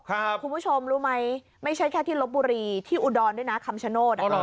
คุณผู้ชมรู้ไหมไม่ใช่แค่ที่ลบบุรีที่อุดรด้วยนะคำชโนธ